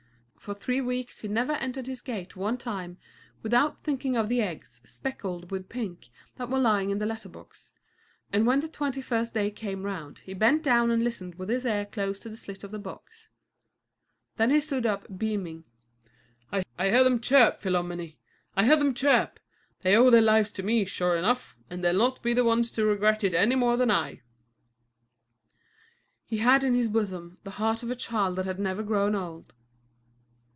For three weeks he never entered his gate one time without thinking of the eggs, speckled with pink, that were lying in the letter box, and when the twenty first day came round he bent down and listened with his ear close to the slit of the box. Then he stood up beaming: "I hear them chirp, Philomène; I hear them chirp. They owe their lives to me, sure enough, and they'll not be the ones to regret it any more than I." He had in his bosom the heart of a child that had never grown old.